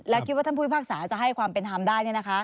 และคิดว่าท่านพุทธภาคศาลจะให้ความเป็นธรรมได้เนี่ยนะคะ